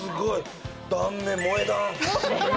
断面、萌え断。